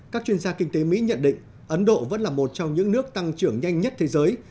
các chuyên gia kinh tế mỹ nhận định ấn độ vẫn là một trong những nước tăng trưởng nhanh nhất thế giới